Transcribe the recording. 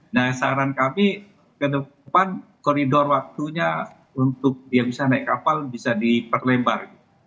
nah saran kami ke depan koridor waktunya untuk dia bisa naik kapal bisa diperlebar